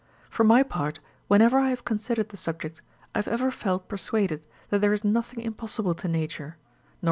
For my part, whenever I have considered the subject, I have ever felt persuaded that there is nothing impossible to Nature, nor.